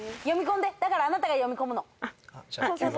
読み込んでだからあなたが読み込むの。